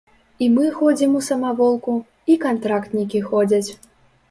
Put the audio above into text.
І мы ходзім у самаволку, і кантрактнікі ходзяць.